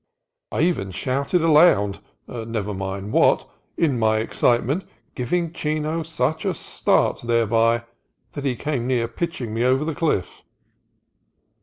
I even shouted aloud — never mind what — in my excite ment, giving Chino such a start thereby that he came near pitching me over the cliff.